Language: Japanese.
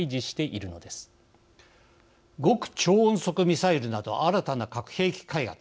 極超音速ミサイルなど新たな核兵器開発